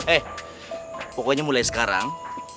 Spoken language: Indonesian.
eh pokoknya mulai sekarang